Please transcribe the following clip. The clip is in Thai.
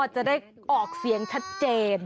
จะได้ออกเสียงชัดเจน